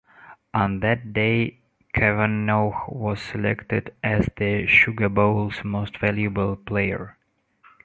On that day, Cavanaugh was selected as the Sugar Bowl's Most Valuable Player.